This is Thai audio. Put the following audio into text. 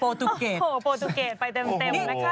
ตูเกตโอ้โหโปรตูเกตไปเต็มนะคะ